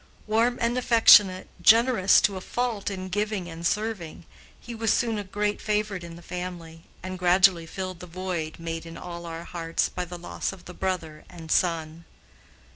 Warm and affectionate, generous to a fault in giving and serving, he was soon a great favorite in the family, and gradually filled the void made in all our hearts by the loss of the brother and son.